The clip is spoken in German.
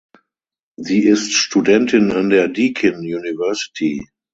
Sie ist Studentin an der Deakin University.